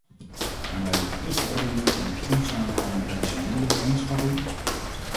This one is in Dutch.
Gaan wij op ongeordende en onsamenhangende wijze middelen bijeenscharrelen?